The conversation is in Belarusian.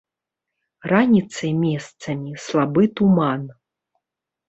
Раніцай месцамі слабы туман.